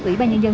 ủy ban nhân dân